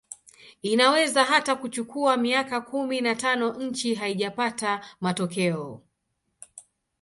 Inaweza hata kuchukua miaka kumi na tano nchi haijapata matokeo